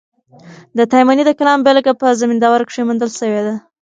د تایمني د کلام بېلګه په زمینداور کښي موندل سوې ده.